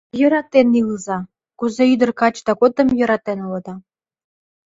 Йӧратен илыза, кузе ӱдыр-качыда годым йӧратен улыда...